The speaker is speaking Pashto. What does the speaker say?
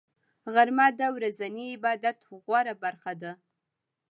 غرمه د ورځني عبادت غوره برخه ده